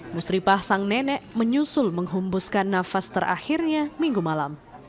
musripah sang nenek menyusul menghumbuskan nafas terakhirnya minggu malam